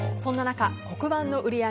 そんな中黒板の売上